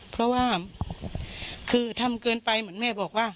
เพราะว่าคือทำเกินไปเหมือนแม่บอกว่า